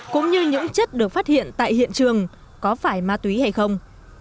cũng như những chất được phát hiện tại hiện trường có phải ma túy hay không